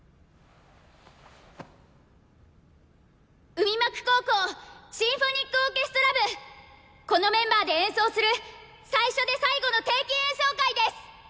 海幕高校シンフォニックオーケストラ部このメンバーで演奏する最初で最後の定期演奏会です。